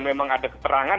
memang ada keterangan